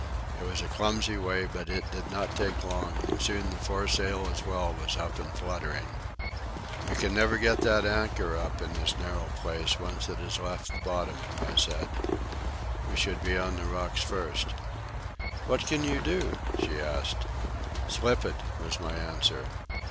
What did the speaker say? It was a clumsy way, but it did not take long, and soon the foresail as well was up and fluttering. "We can never get that anchor up in this narrow place, once it has left the bottom," I said. "We should be on the rocks first." "What can you do?" she asked. "Slip it," was my answer.